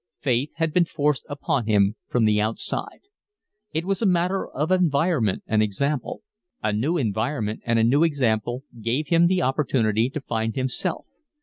Faith had been forced upon him from the outside. It was a matter of environment and example. A new environment and a new example gave him the opportunity to find himself.